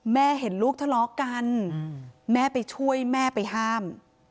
แม่เห็นลูกทะเลาะกันแม่ไปช่วยแม่ไปห้าม